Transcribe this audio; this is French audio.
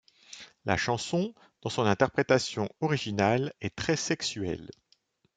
La chanson, dans son interprétation originale, est très sexuelle.